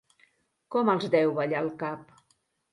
Com els deu ballar el cap!